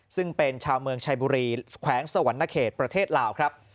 ซึ่งเป็นชาวเมืองชายบุรีแขวงสวรรณเขตประเทศลาวครับ